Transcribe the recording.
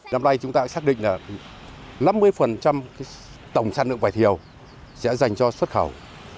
năm nay chúng ta xác định là năm mươi tổng sản lượng vải thiều sẽ dành cho xuất khẩu